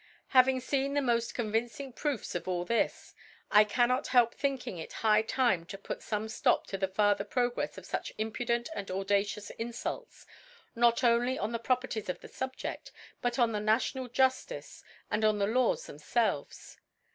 Having feen the moft convincing Proofs of all this, I cannot help thinking it high Time to put fome Stop to the further Pro* grefs of fuch impudent and audacious In falts, not only on the Properties of the Sub jeft, but on the National Juftice, and on the Laws themfclves.